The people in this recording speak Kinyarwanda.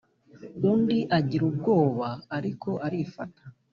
undi agira ubwoba, ariko arifata